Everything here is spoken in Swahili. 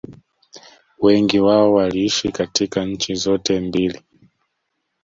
wengi wao waliishi katika nchi zote mbili